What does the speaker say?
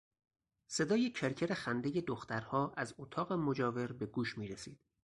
صدای کرکر خندهی دخترها از اتاق مجاور به گوش میرسید.